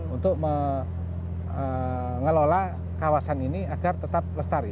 untuk mengelola kawasan ini agar tetap lestari